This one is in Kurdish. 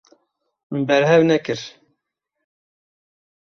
Min berhev nekir.